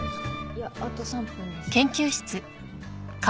いやあと３分です。